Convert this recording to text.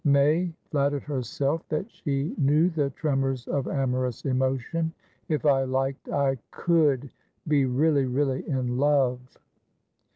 May flattered herself that she knew the tremours of amorous emotion. "If I liked, I could be really, really in love!"